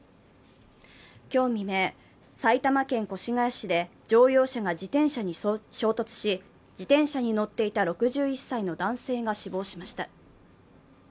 今日未明、埼玉県越谷市で乗用車が自転車に衝突し自転車に乗っていた６１歳の男性が死亡しました。